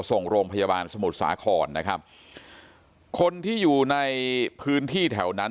ส่งโรงพยาบาลสมุทรสาครนะครับคนที่อยู่ในพื้นที่แถวนั้น